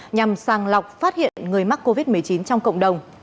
nhằm sàng lọc phát hiện người mắc covid một mươi chín trong cộng đồng